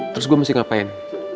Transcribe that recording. terus gue mesti ngapain